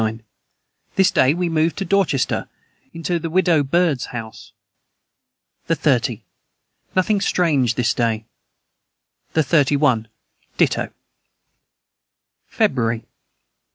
This day we moved to Dorchester into the widow Birds house. the 30. Nothing strange this day. the 31. Ditto. FEBRUARY.